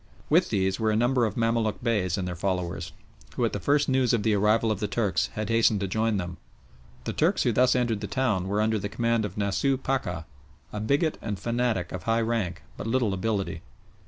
With these were a number of Mamaluk Beys and their followers, who at the first news of the arrival of the Turks had hastened to join them. The Turks who thus entered the town were under the command of Nasooh Pacha, a bigot and fanatic of high rank but little ability.